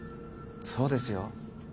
そうですよ。